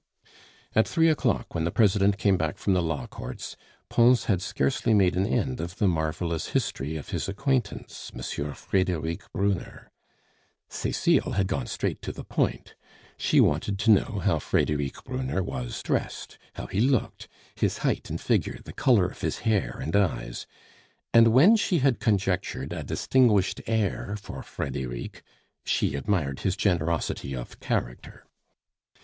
At three o'clock, when the President came back from the law courts, Pons had scarcely made an end of the marvelous history of his acquaintance, M. Frederic Brunner. Cecile had gone straight to the point. She wanted to know how Frederic Brunner was dressed, how he looked, his height and figure, the color of his hair and eyes; and when she had conjectured a distinguished air for Frederic, she admired his generosity of character.